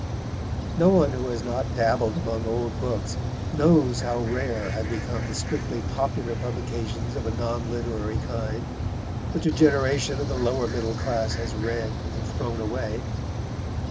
No one who has not dabbled among old books knows how rare have become the strictly popular publications of a non literary kind which a generation of the lower middle class has read and thrown away.